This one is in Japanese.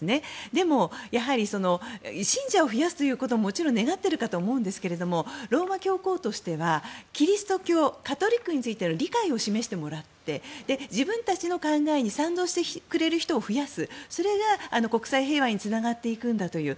でも、やはり信者を増やすということももちろん願っていると思うんですがローマ教皇としてはキリスト教カトリックについての理解を示してもらって自分たちの考えに賛同してくれる人を増やす。